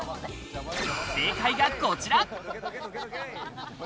正解がこちら。